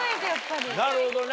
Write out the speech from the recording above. なるほどね。